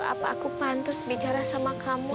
apa aku pantas bicara sama kamu